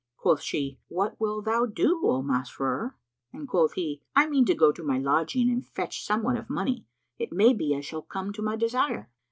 Quoth she, "What wilt thou do, O Masrur?"; and quoth he, "I mean to go to my lodging and fetch somewhat of money: it may be I shall come to my desire."